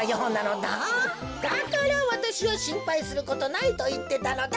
だからわたしはしんぱいすることないといってたのだ。